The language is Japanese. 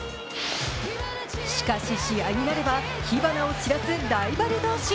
しかし試合になれば火花を散らすライバル同士。